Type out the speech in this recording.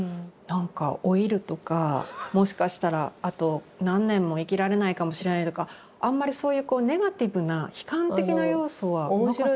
なんか老いるとかもしかしたらあと何年も生きられないかもしれないとかあんまりそういうこうネガティブな悲観的な要素はなかった？